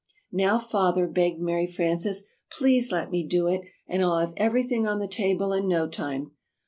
"Now, Father," begged Mary Frances, "please let me do it and I'll have everything on the table in no time."